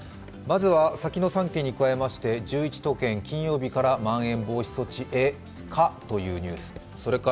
まずはさきの３県に加えまして１１都県、金曜日からまん延防止へかというニュース。